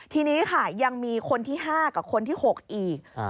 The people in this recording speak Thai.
ทีนี้ค่ะยังมีคนที่๕กับคนที่๖อีก